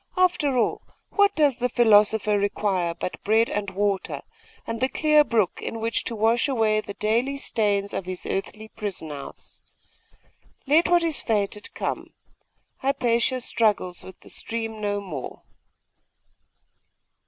After all, what does the philosopher require but bread and water, and the clear brook in which to wash away the daily stains of his earthly prison house? Let what is fated come. Hypatia struggles with the stream no more!